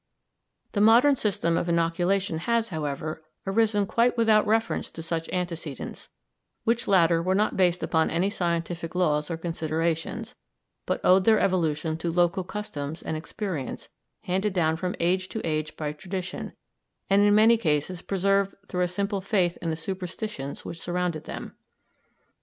The modern system of inoculation has, however, arisen quite without reference to such antecedents, which latter were not based upon any scientific laws or considerations, but owed their evolution to local customs and experience handed down from age to age by tradition, and in many cases preserved through a simple faith in the superstitions which surrounded them.